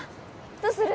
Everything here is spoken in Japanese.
どうする？